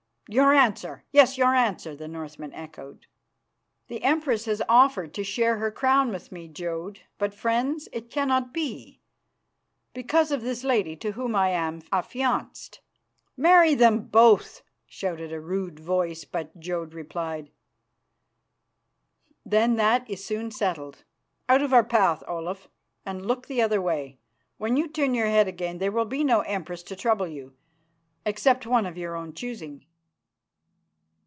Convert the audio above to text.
"Your answer! Yes, your answer!" the Northmen echoed. "The Empress has offered to share her crown with me, Jodd, but, friends, it cannot be, because of this lady to whom I am affianced." "Marry them both," shouted a rude voice, but Jodd replied: "Then that is soon settled. Out of our path, Olaf, and look the other way. When you turn your head again there will be no Empress to trouble you, except one of your own choosing."